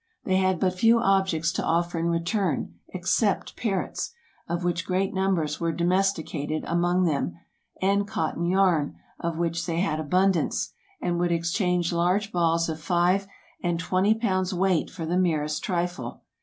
They had but few objects to offer in return, except parrots, of which great numbers were domesticated among them, and cotton yarn, of which they had abundance, and would exchange large balls of five and twenty pounds' weight for the merest trifle.